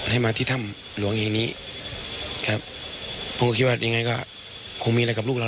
ให้มาที่ถ้ำหลวงแห่งนี้ครับผมก็คิดว่ายังไงก็คงมีอะไรกับลูกเรา